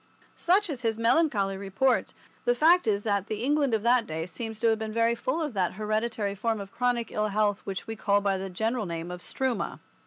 Such is his melancholy report. The fact is that the England of that day seems to have been very full of that hereditary form of chronic ill health which we call by the general name of struma.